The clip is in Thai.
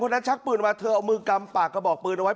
นั้นชักปืนมาเธอเอามือกำปากกระบอกปืนเอาไว้